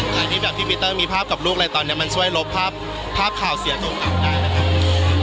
แต่ที่พี่พีเตอร์มีภาพกับลูกอะไรตอนนี้มันส่วยลบภาพข่าวเสียตัวขาวได้หรือครับ